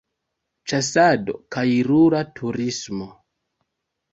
Ĉasado kaj rura turismo.